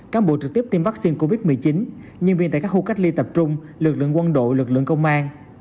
cán bộ trực tiếp tiêm vaccine covid một mươi chín nhân viên tại các khu cách ly tập trung lực lượng quân đội lực lượng công an